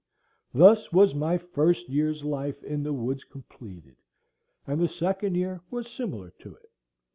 Thus was my first year's life in the woods completed; and the second year was similar to it.